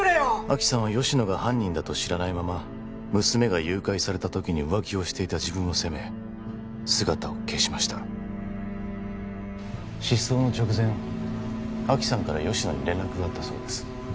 亜希さんは吉乃が犯人だと知らないまま娘が誘拐されたときに浮気をしていた自分を責め姿を消しました失踪の直前亜希さんから吉乃に連絡があったそうです